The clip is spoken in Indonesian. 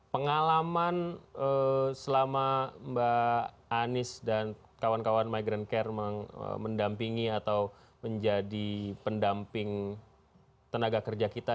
pengalaman selama mbak anies dan kawan kawan migrant care mendampingi atau menjadi pendamping tenaga kerja kita